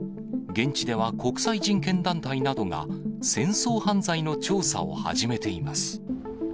現地では国際人権団体などが、戦争犯罪の調査を始めています。